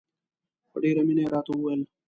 په ډېره مینه یې راته وویل.